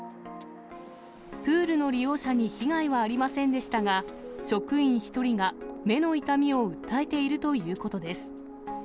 プールの利用者に被害はありませんでしたが、職員１人が目の痛みを訴えているということです。